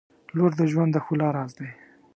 • لور د ژوند د ښکلا راز دی.